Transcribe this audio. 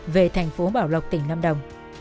về thành phố bảo lộc tỉnh lâm đồng